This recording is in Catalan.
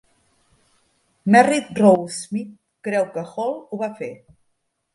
Merrit Roe Smith creu que Hall ho va fer.